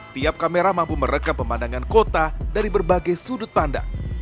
tiap kamera mampu merekam pemandangan kota dari berbagai sudut pandang